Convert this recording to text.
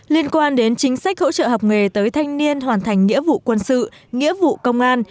liên quan đến chính sách hỗ trợ học nghề tới thanh niên hoàn thành nghĩa vụ quân sự nghĩa vụ công an